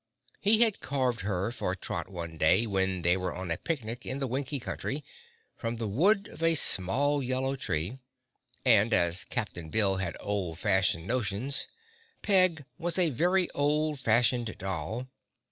He had carved her for Trot one day when they were on a picnic in the Winkie Country, from the wood of a small yellow tree, and as Captain Bill had old fashioned notions, Peg was a very old fashioned doll.